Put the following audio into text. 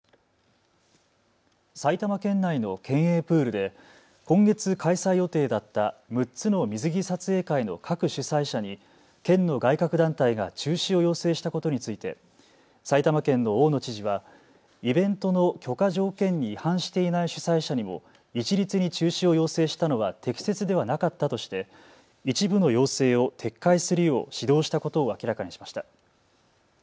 埼玉県内の県営プールで今月、開催予定だった６つの水着撮影会の各主催者に県の外郭団体が中止を要請したことについて埼玉県の大野知事はイベントの許可条件に違反していない主催者にも一律に中止を要請したのは適切ではなかったとして一部の要請を撤回するよう指導したことを明らかにしました。